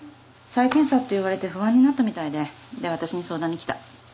再検査って言われて不安になったみたいでで私に相談に来た。